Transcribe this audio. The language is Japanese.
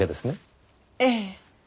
ええ。